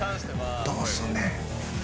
どうすんねん。